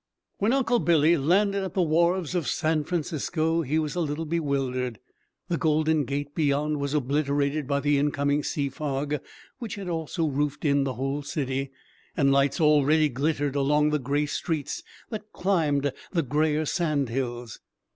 When Uncle Billy landed at the wharves of San Francisco he was a little bewildered. The Golden Gate beyond was obliterated by the incoming sea fog, which had also roofed in the whole city, and lights already glittered along the gray streets that climbed the grayer sand hills.